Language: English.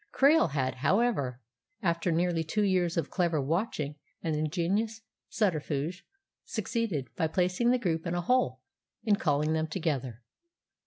Krail had, however, after nearly two years of clever watching and ingenious subterfuge, succeeded, by placing the group in a "hole" in calling them together.